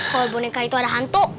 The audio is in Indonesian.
kalau boneka itu ada hantu